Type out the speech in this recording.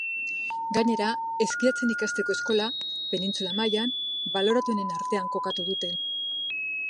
Gainera, eskiatzen ikasteko eskola, penintsula mailan, baloratuenen artean kokatu dute.